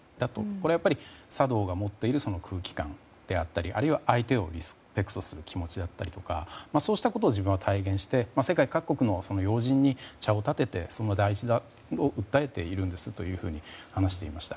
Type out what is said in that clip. これはやっぱり茶道が持っている空気感であったりあるいは相手をリスペクトする気持ちだったりを自分は体現して世界各国の要人に茶をたててその大事さを訴えていると話していました。